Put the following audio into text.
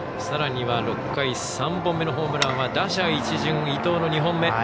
さらには６回３本目のホームランは打者一巡、伊藤の２本目。